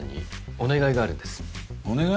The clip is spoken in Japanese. お願い？